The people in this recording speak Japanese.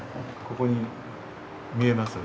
ここに見えます？